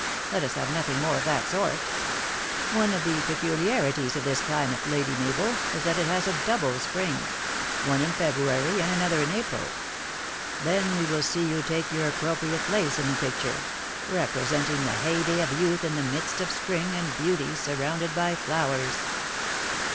Let us have nothing more of that sort. One of the peculiar! THE ACTKESS IN HIGH LIFE. 33 ties of this climate, Lady Mabel, is that it has a double spring : one in February and another in April. Then we will see you take your appropriate place in the picture, representing the heyday of youth in the midst of spring, and beauty, surrounded by flowers."